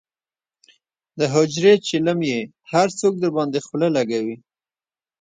دحجرې چیلم یې هر څوک درباندې خله لکوي.